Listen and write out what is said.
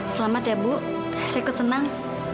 selamat ya bu saya ikut senang